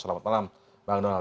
selamat malam bang donald